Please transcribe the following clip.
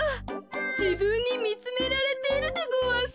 じぶんにみつめられているでごわす。